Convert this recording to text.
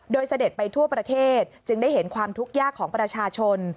โดยเสด็จไปทั่วประเทศจึงได้เห็นความทุกข์ยากของประชาชน